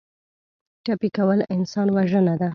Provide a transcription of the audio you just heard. ټپي کول انسان وژنه ده.